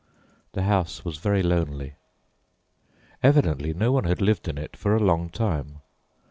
The house was very lonely. Evidently no one had lived in it for a long time.